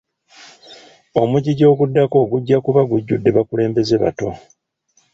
Omujiji oguddako gujja kuba gujjudde bakulembeze bato.